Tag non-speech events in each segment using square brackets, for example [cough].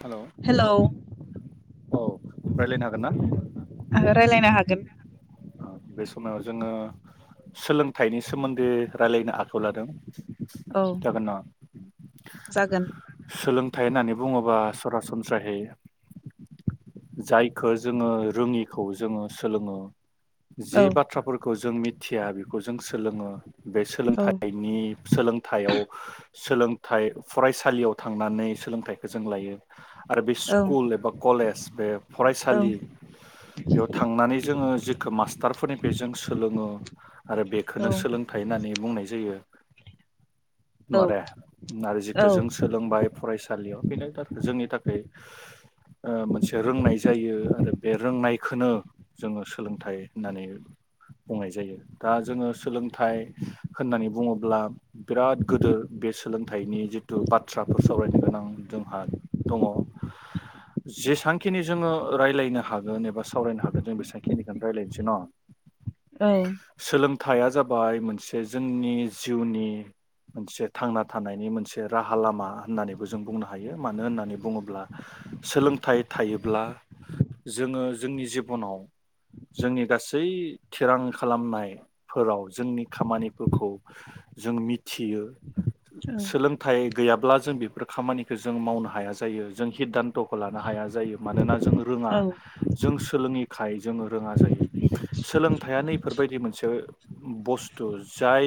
हेल' hello [inaudible] औ रायलायनो हागोन ना? रायलायनो हागोन बे समाव जोङो सोलोंथाइनि सोमोन्दै रायलायनो आखायाव लादों। औ जागोन ना [inaudible] जागोन थाय होननानै बुङोब्ला सरासनस्राहै जायखो जोङो रोङिखौ जोङो सोलोङो जि औ बाथ्राफोरखौ जों मिथिया बेखौ जों सोलोङो बे औ सोलोंथाइनि सोलोंथाइयाव सोलोंथाइ फरायसालियाव थांनानै सोलोंथाइखौ जों लायो। आरो बे औ स्कुल एबा कले बे औ फरायसालि बेयाव थांनानै जोङो जेखौ मास्टारफोरनिफ्राय जों सोलोङो आरो औ बेखौनो सोलोंथाइ होननानै बुंनाय जायो। नवारे नार जिखो जों सोलोंबाय फरायसालियाव बेनो थाख जोंनि थाखै ओ मोनसे रोंनाय जायो आरो बे रोंनायखोनो जोङो सोलोंथाइ होननानै बुंनाय जायो दा जोङो सोलोंथाइ होननानै बुङोब्ला बिराद गोदो बे सोलोंथाइनि जिथु बाथ्राफोर सावरायनो गोनां जोंहा दङ जेसां खिनि जोङो रायलायनो हागोन एबा सावरायनो हागोन जों बेसांखिनिखोनो रायलायनोसै न' औ थाया जाबाय मोनसे जोंनि जिउनि मोनसे थांना थानायनि मोनसे राहा लामा होननानैबो जों बुंनो हायो मानो होननानै बुङोब्ला सोलोंथाइ थायोब्ला जोङो जोंनि जिबनाव जोंनि गासै थिरां खालामनायफोराव जोंनि खामानिफोरखौ जों मिथियो। औ सोलोंथाइ गैयाब्ला जों बेफोर खामानिखो जों मावनो हाया जायो जों हिददानत'खो लानो हाया जायो मानोना जों रोङा औ जों सोलोङि खाय जोङो रोङा जायो। सोलोंथाइआ नै फोरबायदि मोनसे बस्थु जाय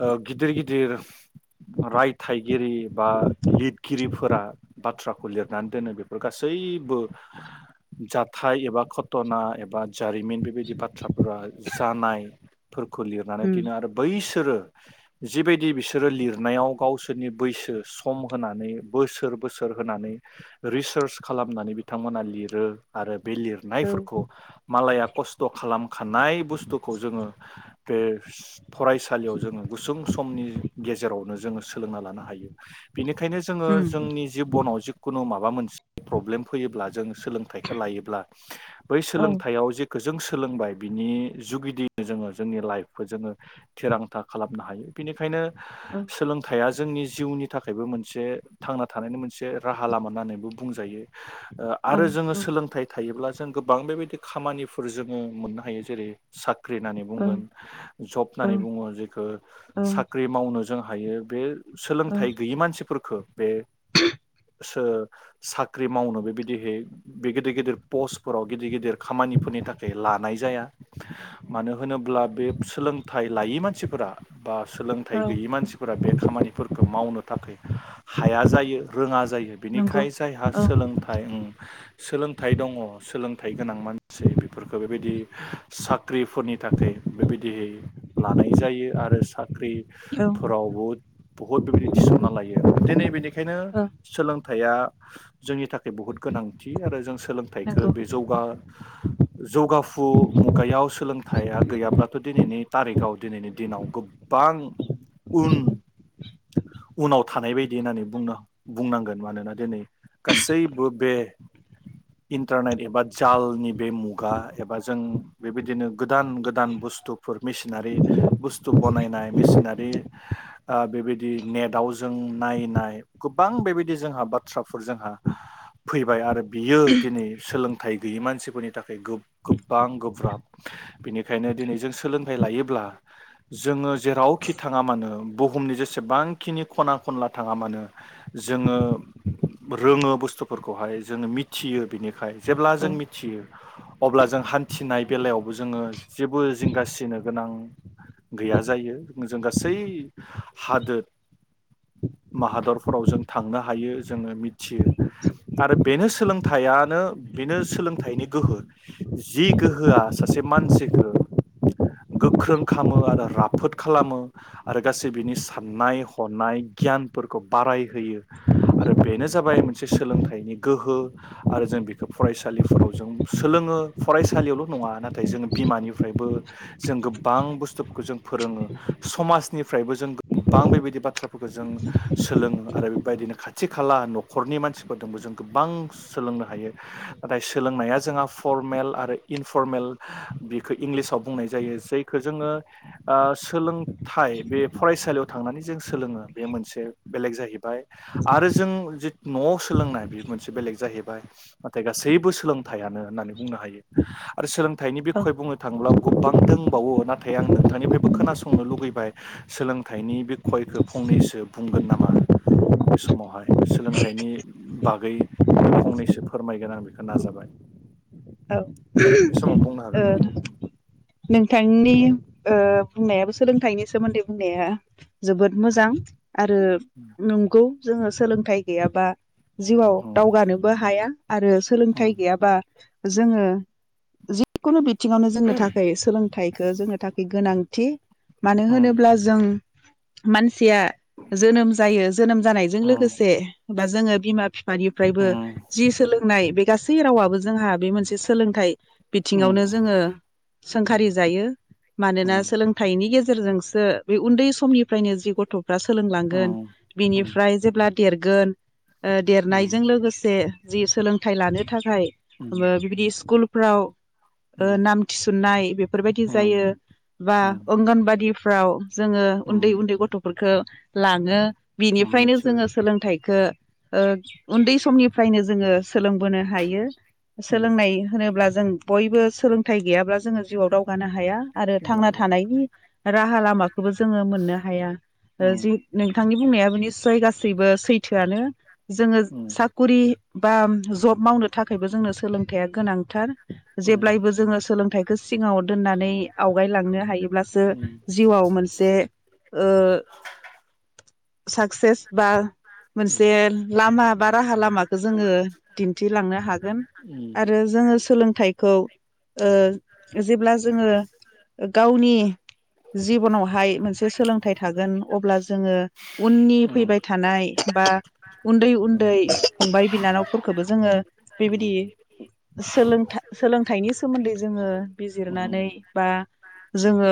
ओ गिदिर गिदिर रायथाइगिरि बा लिरगिरिफोरा बाथ्राखौ लिरनानै दोनो बे फोर गासैबो जाथाय एबा घटना एबा जारिमिन बेबायदि बाथ्राफोरा जानाय फोरखौ लिरनानै उम दोनो आरो बैस सोरो जिबायदि बिसोरो लिरनायाव गावसोरनि बैसो सम होनानै बोसोर बोसोर होनानै रिसार्च खालामनानै बिथांमोना लिरो आरो बे औ लिरनायफोरखौ मालाया खस्थ खालामखानाय बुस्थुखौ जोङो बे फरायसालियाव जोङो गुसुं समनि गेजेरावनो जोङो सोलोंना लानो हायो बिनि खायनो जोङो उम जोंनि जिबनाव जि खुनुमा बा मोनसे प्रब्लेम फैयोब्ला जों सोलोंथाइखौ लायोब्ला बै औ सोलोंथायाव जे गोजों सोलोंबाय बिनि जुगिदियैनो जोङो जोंनि लाइफखौ जोङो थिरांथा खालामनो हायो बिनिखायनो औ सोलोंथाइया जोंनि जिउनि थाखायबो मोनसे थांना थानायनि मोनसे राहा लामा होननानै बो बुंजायो। ओ औ औ आरो जोङो सोलोंथाइ थायोब्ला जों गोबां बेबायदि खामानिफोर जोङो मोननो हायो जेरै सा ख्रि होननानै बुंगोन जब औ होननानै बुङो जेखौ औ साख्रि मावनो जों हायो बे सोलोंथाइ गैयि मानसिफोरफोरखो बे सो साख्रि मावनो बेबायदिहै बे गिदिर गिदिर पस्टफोराव गिदिर गिदिर खामानिफोरनि थाखाय लानाय जाया मानो होनोब्ला बे सोलोंथाइ लायै मानसिफोरा बा सोलोंथाइ औ गैयि मानसिफोरा बे खामानिफोरखौ मावनो थाखाय हाया जायो रोङा जायो नंगौ बेनिखाय हा औ सोलोंथाइ उम सोलोंथाइ दङ सोलोंथाइ गोनां मानसि बेफोरखौ बेबायदि साख्रिफोरनि थाखाय बेबायदि लानाय जायो आरो सा औ ख्रिफोराव बु बुहुत बेबायदि थिसनना लायो दिनै बिदि खायनो औ सोलों थाया जोंनि थाखाय बुहुद गोनांथि आरो जों सोलोंथाइखो नंगौ बे जौगा जौगाफु मुगायाव सोलोंथाइया गैयाब्लाथ' दिनैनि तारिखाव दिनैनि दिनाव गोबां उन उनाव थानाय बायदि होननानै बुंनां बुंनांगोन मानोना दिनै गासैबो बे इन्टारनेट एबा जालनि बे मुगा एबा जों बेबायदिनो गोदान गोदान बुस्थुफोर मेसिनारि बुस्थु बनायनाय मेसिनारि ओ बेबायदि नेटआव जों नायनाय गोबां बेबायदि जोंहा बाथ्रा फोर जोंहा फैबाय आरो बियो दिनै सोलोंथाइ गैयि मानसिफोरनि थाखाय गोब-गोबां गोब्राब बेनिखायनो दिनै जों सोलोंथाइ लायोब्ला जोङो जेरावखि थाङा मानो बुहुमनि जेसेबांखिनि खना खनला थाङा मानो जोङो रोङो बुस्थुफोरखौहाय जोङो मिथियो बिनिखाय जेब्ला औ जों मिथियो अब्ला जों हान्थिनाय बेलायावबो जोङो जेबो जिंगासिनो गोनां गैया जायो जों गासै हादोर माहादरफोराव जों थांनो हायो जोङो मिथियो आरो बेनो सोलोंथाइयानो बेनो सोलोंथाइनि गोहो जि गोहोआ सासे मानसिखो गोख्रों खालामो आरो राफोद खालामो आरो गासै बिनि साननाय हनाय गियानफोरखौ बारायहोयो आरो बेनो जाबाय मोनसे सोलोंथाइनि गोहो आरो जों बेखौ फरायसालिफोराव जों सोलोङो फरायसालियावल नङा नाथाय जों बिमानिफ्रायबो जों गोबां बुस्थुफोरखौ जों फोरोङो समाजनिफ्रायबो जों गोबां बेबायदि बाथ्राफोरखौ जों सोलोङो आरो बेबायदिनो खाथि खाला नखरनि मानसिफोरजोंबो जों गोबां सोलोंनो हायो नाथाय सोलोंनाया जोंहा फरमेल आरो इनफरमेल बेखौ इंलिसाव बुंनाय जायो जायखौ जोङो सोलोंथाइ बे फरायसालियाव थांनानै जों सोलोङो बे मोनसे बेलेग जाहैबाय आरो जों जि नआव सोलोंनाय बे मोनसे बेलेग जाहैबाय नाथाय गासैबो सोलोंथाइयानो होननानै बुंनो हायो आरो सोलों थाइनि औ बिखय बुंनो थांङोब्ला गुब बां दंबावो नाथाय आं नोंथांनिफ्रायबो खोनासंनो लुगैबाय सोलोंथाइनि बे खयखौ फंनैसो बुंगोन नामा बे समावहाय सोलोंथाइनि बागै फंनैसो फोरमायगोन आं बेखौ नाजाबाय औ ओ बे समाव बुंनो हागोन नोंथांनि बुंनायाबो सोलोंथाइनि सोमोन्दै बुंनाया जोबोद मोजां आरो नंगौ जोङो सोलोंथाइ गैयाबा जिउआव दावगानोबो हाया आरो सोलोंथाइ गैयाबा जोङो जिकुनु बि बिथिङावनो जोंनो थाखाय सोलोंथाइखौ जोंनो थाखाय गोनां थि मानो होनोब्ला जों मान सिया जोनोम जायो जोनोम जानायजों लोगोसे बा जोङो बिमा बिफानिफ्रायबो जि सोलोंनाय बे गासै रावाबो जोंहा बे मोनसे सोलोंथाइ बिथिङावनो जोङो सोंखारि जायो मानोना सोलोंथाइनि गेजे गेजेरजोंसो बे उन्दै समनिफ्रायनो जि गथ' फ्रा सोलोंलांगोन बिनिफ्राय जेब्ला देरगोन देरनायजों लोगोसे जि सोलोंथाइ लानो थाख खाय बो बेबादिस स्कुलफ्राव ओ नाम थिसन्नाय बेफोरबायदि जायो बा अंगनबादि फ्राव जोङो उन्दै न उन्दै गथफोरखौ लाङो उम बिनिफ्रायनो निसय जोङो सोलोंथाइखौ ओ उन्दै समनिफ्रायनो जोङो सोलोंबोनो हायो उम सोलोंनाय होनोब्ला जों बयबो सोलोंथाइ गैयाब्ला जोङो जिउआव दावगानो हाया आरो थांना नंगौ थानायनि राहाला मा खोबो जोङो मोननो हाया जि नोंथांनि बुंनायाबो निस्सय गासैबो सैथोआनो जोङो साकुरि बा जब मावनो थाखायबो जोंनो सोलोंथाइया गोनां थार जेब्लायबो जोङो सोलोंथाइखौ सिगाङाव दोननानै आवगायलांनो हायोब्लासो जिउआव मोनसे ओ साक्सेस बा मोनसे लामा बा राहा लामाखौ जोङो दिन्थिलांनो हागोन आरो जोङो थायखौ ओ जेब्ला जोङो गावनि जिबनावहाय मोनसे सोलोंथाइ थागोन अब्ला जोङो उननि थानाय बा उन्दै उन्दै फंबाय बिनानावफोरखौबो जोङो बेबायदि जोङो सोलों था सोलोंथाइनि सोमोन्दै जोङो बिजिरनानै बा जोङो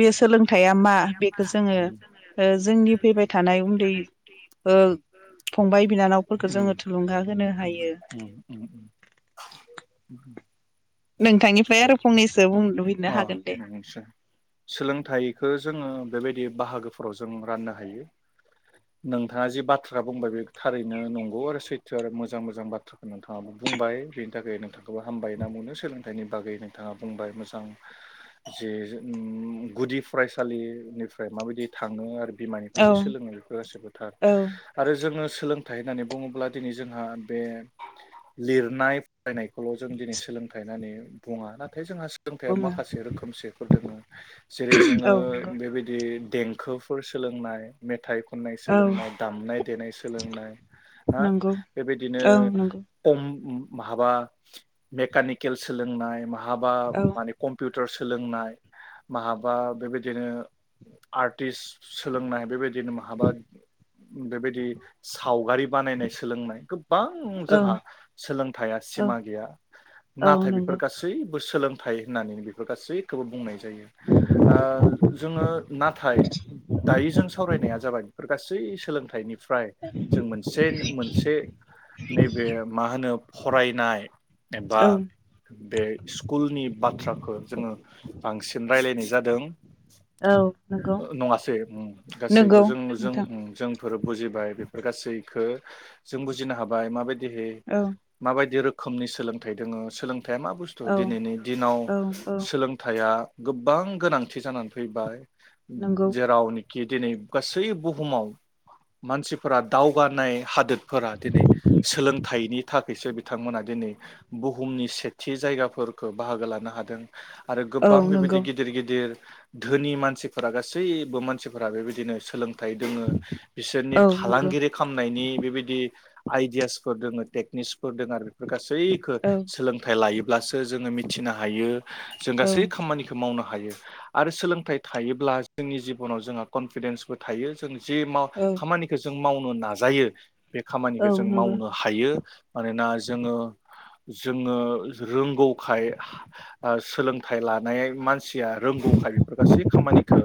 बे सोलोंथाइया मा बेखौ जोङो ओ जोंनि फैबाय थानाय उन बिनानावफोरखौ जोङो थुलुंगा होनो हायो उम उम नोंथांनिफ्राय आरो फंनैसो बुं लुबैनो अ हागोन दे नंगौसै सोलोंथाइखौ जोङो बेबायदि बाहागोफोराव जों राननो हायो नोंथाङा जि बाथ्रा बुंबाय बे थारैनो नंगौ आरो सैथो आरो मोजां मोजां बाथ्राखौ नोंथाङाबो बुंबाय बेनि थाखाय नोंथांखौबो हामबाय होनना बुंनो सोलोंथाइनि बागै नोंथाङा बुंबाय मोजां जे गुदि फरायसालिनिफ्राय माबायदि थाङो आरो बिमानिफ्राय औ जे सोलोंनाय बेफोर गासिबो थार औ आरो जोङो सोंलों थाय होननानै बुङोब्ला दिनै जोंहा बे लिरनाय फरायनायखौल' जों दिनै सोलोंथाइ होननानै बुङा नाथाय जोंहा सो सोलोंथाइया बुङो माखासे रोखोमसेफोर दोङो जेरै जोङो औ बेबायदि देंखोफोर सोलोंनाय मेथाइ खननाय सोलोंनाय दामनाय देनाय सोलोंनाय हा नंगौ बेबायदिनो औ नंगौ औ नंगौ ओम माबा मेकानिकेल सोलोंनाय मा हाबा औ माने कम्पिउ टर सोलोंनाय माहाबा बेबायदिनो आर्टिस सोलोंनाय बेबायदि बेनो माहाबा बेबायदि सावगारि बानायनाय सोलोंनाय गोबां औ जोंहा सोलोंथाया औ सिमा गैया औ नाथाय नंगौ बेफोर गासैबो सोलों थाय होननानैनो बेफोर गासैखौबो बुंनाय जायो ओ जोङो नाथाय दायो जों फरायनाया जाबाय बेफोर गासै सोलोंथाइनि फाय जों मोनसे मोनसे नैबे मा होनो फरायनाय एबा औ बे स्कुलनि बाथ्राखौ जोङो बांसिन रायलायनाय जादों। औ नंगौ नङा से उम। गासैबो नंगौ जों जों नोंथां जोंफोर बुजिबाय बेफोर गासै खो जों बुजिनो हाबाय माबाय दिहै औ माबायदि रोखोम रोखोमनि सोलोंथाइ दोङो सोलों थाइया मा बुस्थु औ दिनैनि दिनाव औ औ सोलोंथाइया गोबां गोनांथि जानानै फैबाय। नंगौ जेरावनि खि दिनै गासै बुहुमाव मानसिफोरा दावगानाय हादोद फोर दिनै सोलोंथाइनि थाखायसो बिथांमोना दिनै बुहुमनि सेथि जायगाफोरखौ बाहागो लानो हादों। आरो औ गोबां बेबायदि नंगौ गिदिर गिदिर धोनि मानसिफोरा गासैबो मानसि फोरा बेबायदिनो सोलों थाइ दोङो बिसोरनि औ नंगौ फालांगिरि खालामनायनि बेबायदि आइदियासफोर दङो टेकनिक्सफोर दङो आरो बेफोर गासिबो बैखो औ सोलोंथाइ लायो ब्लासो जोङो मिथिनो हायो। जों औ गासै खामानिखौ मावनो हायो। हायो आरो सोलोंथाइ थायोब्ला जोंनि जिबनाव जोंहा कनफिडेन्सबो थायो जों जि माव औ खामानिखौ जों मावनो नाजायो बे औ खामानिखौ जों नंगौ मावनो हायो। मानोना जोङो जोङो रोंगौखाय सोलोंथाइ लानाय मान मानसिया रोंगौखाय बेफोर गासै खामानिखौ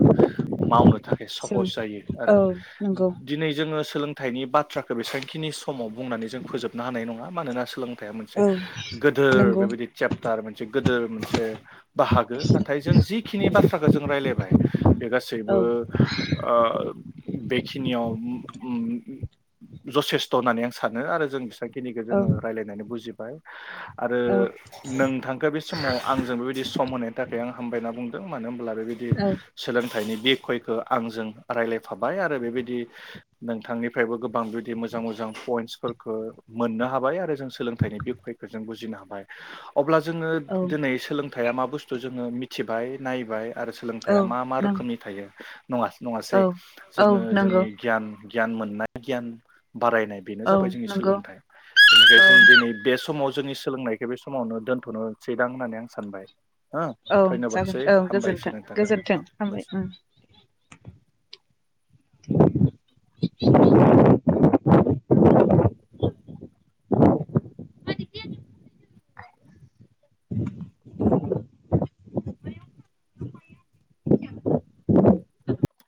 मावनो थाखाय जों साहस जायो आरो औ नंगौ दिनै जोङो सोलोंथाइनि बाथ्राखौ बेसेबांखिनि समाव बुंनानै जों फोजोबनो हानाय नङा मानोना सोलों थाइया मोनसे औ गोदोर नंगौ बेबादि चेपटार मोनसे गोदोर मोनसे बाहागो नाथाय जों जिखिनि बाथ्राखौ जों रायलाइबाय बाय बे गासैबो औ ओ बेखिनियाव जथेस्थ' होननानै आं सानो आरो जों बेखिनिखौजों औ रायलायनानै बुजि बाय आरो औ नोंथांखो बे समाव आंजों बेबायदि सम होनायनि थाखाय आं हामबाय होनना बुंदों मानो होन आरो बेबायदि औ सोलों थाइनि बिखयखो आंजों रायलायफाबाय आरो बेबायदि नोंथांनिफ्रायबो गोबां बेदि मोजां मोजां पइन्टसफोरखौ मोननो हाबाय आरो जों सोलोंथाइनि बिखयखौ जों बुजिनो हाबाय अब्ला जोङो औ दिनै सोलोंथाइआ मा बुस्थु जोङो मिथिबाय नायबाय आरो औ सोलोंथायाइया मा मा नों रोखोमनि थायो नङा नङासै औ औ जोङो नंगौ जोंनि गियान गियान मोननाय गियान बारायनाय बेनो औ जाबाय जोंनि नंगौ सोलोंथाइ। औ बेनिखायनो जों दिनै बे समाव जोंनि सोलोंनायखौ बे समावनो दोन्थ'नोसैदां होननानै आं सानबाय। हो औ धन्यबादसै जागोन औ हामबायसै गोजोनथों नोंथांखौ गोजोन्थों हामबायसै हामबाय उम। [inaudible]